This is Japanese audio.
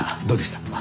どうでした？